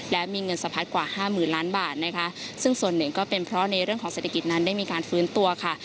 และมีเงินสะพัดกว่าห้าหมื่นล้านบาทนะคะซึ่งส่วนหนึ่งก็เป็นเพราะในเรื่องของเศรษฐกิจนั้นได้มีการฟื้นตัวค่ะ